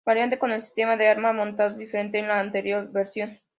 Variante con el sistema de arma montado diferente de la anterior versión.